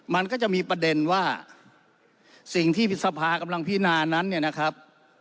มันก็จะมีประเด็นว่าสิ่งที่สภากำลังพินานั้นเนี่ยนะครับ